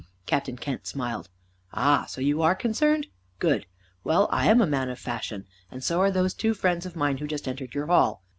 Captain Kent smiled. "Ah, so you are concerned? Good! Well, I am a man of fashion, and so are those two friends of mine who just entered your hall.